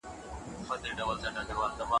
خپله ژمنه هېڅکله مه ماتوئ.